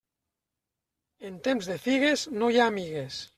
En temps de figues no hi ha amigues.